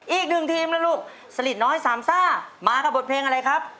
อีกหนึ่งทีมนะลูกสลิดน้อยสามซ่ามากับบทเพลงอะไรครับ